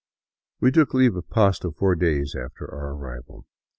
We took leave of Pasto four days after our arrival.